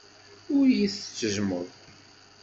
Ur iyi-tettejjmeḍ.